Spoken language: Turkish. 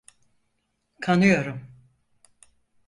Kanıyorum.